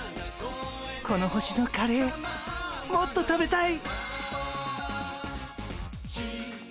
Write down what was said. この星のカレーもっと食べたい。